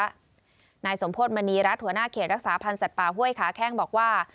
นายสมโพธิมณีรัฐหัวหน้าเขตรักษาพันธ์สัตว์ป่าห้วยขาแข้งบอกว่า